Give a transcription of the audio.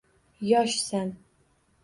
Yoshsan